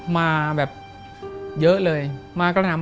มาเยอะเลยมาก็นำมาเลย